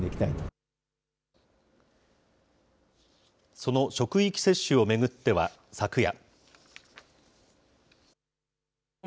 その職域接種を巡っては昨夜。